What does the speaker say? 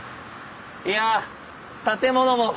いやぁ建物も。